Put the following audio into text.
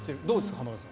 浜田さん。